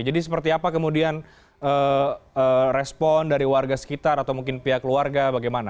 jadi seperti apa kemudian respon dari warga sekitar atau mungkin pihak keluarga bagaimana